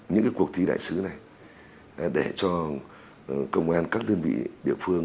những cuộc thi đại sứ này để cho công an các đơn vị địa phương